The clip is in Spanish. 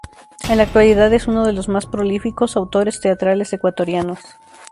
En la actualidad es uno de los más prolíficos autores teatrales ecuatorianos.